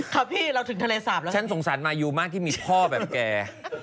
พี่เราถึงทะเลสาปแล้วฉันสงสารมายูมากที่มีพ่อแบบแก